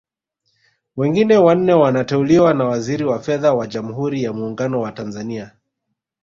Wengine wanne wanateuliwa na Waziri wa Fedha wa Jamhuri ya Muungano wa Tanzania